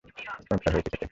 চমৎকার হয়েছে খেতে!